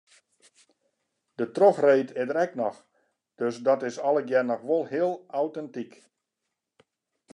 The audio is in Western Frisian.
De trochreed is der ek noch, dus dat is allegear noch wol heel autentyk.